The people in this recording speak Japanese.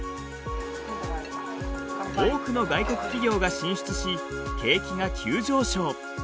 多くの外国企業が進出し景気が急上昇。